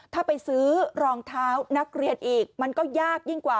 ถ้าไปซื้อรองเท้านักเรียนอีกมันก็ยากยิ่งกว่า